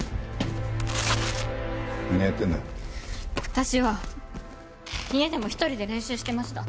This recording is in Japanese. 私は家でも一人で練習してました。